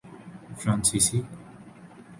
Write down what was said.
فرانسیسی